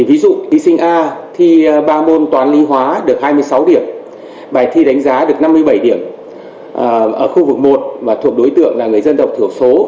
ví dụ thí sinh a thi ba môn toàn ly hóa được hai mươi sáu điểm bài thi đánh giá được năm mươi bảy điểm ở khu vực một và thuộc đối tượng là người dân độc thử số